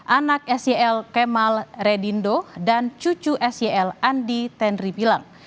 anak sel kemal redindo dan cucu sel andi tenri bilang